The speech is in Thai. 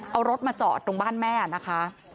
เอารถมาจอดตรงบ้านแม่นะคะ